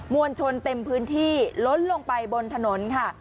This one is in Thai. วลชนเต็มพื้นที่ล้นลงไปบนถนนค่ะ